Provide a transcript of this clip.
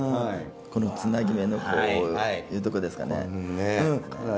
このつなぎ目のこういうとこですかね。